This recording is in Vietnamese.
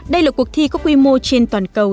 đây là cuộc thi có quy mô trên toàn cầu